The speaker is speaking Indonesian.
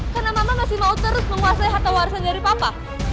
karena mama masih mau terus menguasai harta warisan dari papa